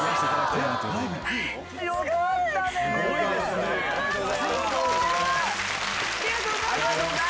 ありがとうございます。